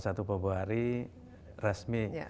satu pebuah hari resmi